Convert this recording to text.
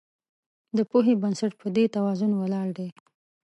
د پوهې بنسټ په دې توازن ولاړ دی.